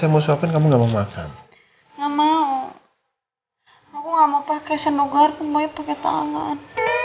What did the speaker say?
mau siapin kamu gak mau makan enggak mau aku enggak mau pakai senogar kembali pakai tangan